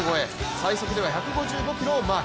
最速では１５５キロをマーク。